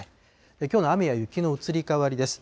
きょうの雨や雪の移り変わりです。